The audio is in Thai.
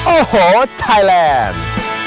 โอ้โหไทยแลนด์